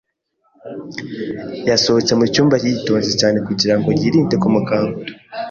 Yasohotse mu cyumba yitonze cyane kugira ngo yirinde kumukangura.